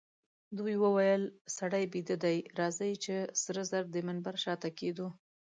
دوی وویل: سړی بیده دئ، راځئ چي سره زر د منبر شاته کښېږدو.